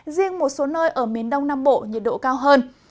riêng một số nơi ở miền đông nam bộ nhiệt độ cao hơn